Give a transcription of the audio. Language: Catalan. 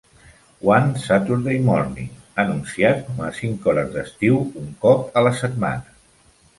"One Saturday Morning", anunciat com a "cinc hores d'estiu, un cop a la setmana!"